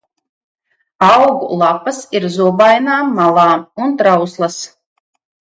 Augu lapas ir zobainām malām un trauslas.